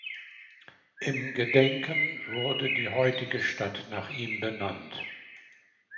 Im Gedenken wurde die heutige Stadt nach ihm benannt.